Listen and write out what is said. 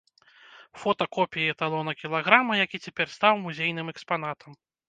Фота копіі эталона кілаграма, які цяпер стаў музейным экспанатам.